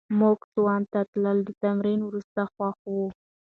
موږ سونا ته تلل د تمرین وروسته خوښوو.